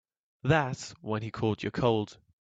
That's when he caught your cold.